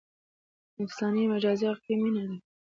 نفساني، مجازي او حقیقي مینه ده.